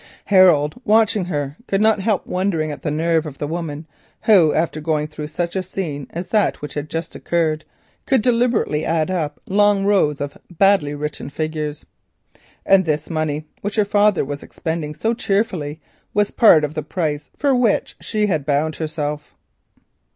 Harold, watching her, wondered at the nerve of a woman who, after going through such a scene as that which had just occurred, could deliberately add up long rows of badly written figures. And this money which her father was expending so cheerfully was part of the price for which she had bound herself.